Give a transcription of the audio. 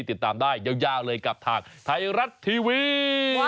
ติดตามได้ยาวเลยกับทางไทยรัฐทีวี